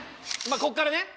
ここからね